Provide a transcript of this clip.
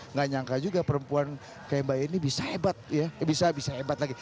nggak nyangka juga perempuan kayak mbak yeni bisa hebat ya bisa hebat lagi